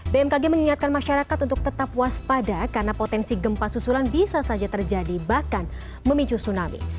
bmkg mengingatkan masyarakat untuk tetap waspada karena potensi gempa susulan bisa saja terjadi bahkan memicu tsunami